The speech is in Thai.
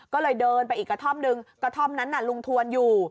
ก็เลยเดินไปอีกกระท่อมหนึ่งกระท่อมนั้นน่ะลุงทวนอยู่